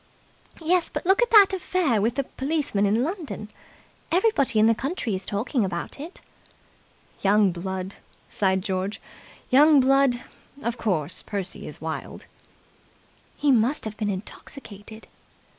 "Yes, but look at that affair with the policeman in London. Everybody in the county is talking about it." "Young blood!" sighed George. "Young blood! Of course, Percy is wild." "He must have been intoxicated."